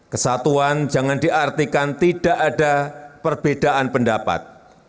kesatuan jangan diartikan tidak ada perbedaan pendapat